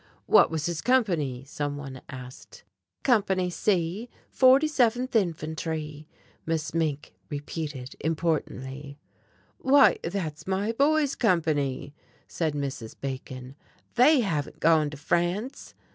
"What was his company?" some one asked. "Company C, 47th Infantry," Miss Mink repeated importantly. "Why, that's my boy's company," said Mrs. Bacon. "They haven't gone to France."